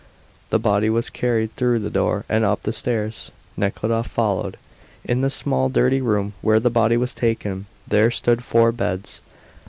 The body was carried through the door and up the stairs. Nekhludoff followed. In the small, dirty room where the body was taken there stood four beds.